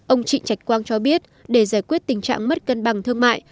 ông trị trạch quang cho biết để giải quyết tình trạng mất cân bằng thương mại